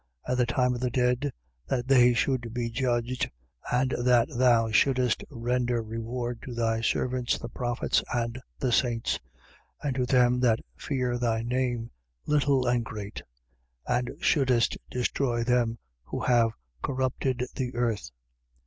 And the time of the dead, that they should be judged and that thou shouldest render reward to thy servants the prophets and the saints, and to them that fear thy name, little and great: and shouldest destroy them who have corrupted the earth.